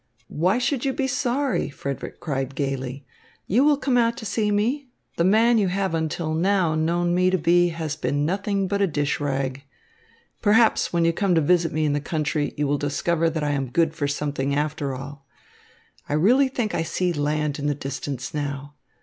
"Why should you be sorry?" Frederick cried gaily. "You will come out to see me. The man you have until now known me to be has been nothing but a dish rag. Perhaps, when you come to visit me in the country, you will discover that I am good for something after all. I really think I see land in the distance now.